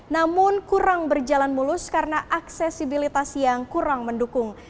namun kurang berjalan mulus karena aksesibilitas yang kurang mendukung